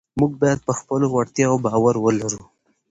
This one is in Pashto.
موږ باید پر خپلو وړتیاوو باور ولرو